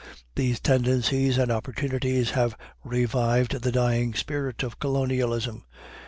These tendencies and opportunities have revived the dying spirit of colonialism.